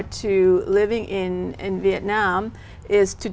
khi sống ở việt nam không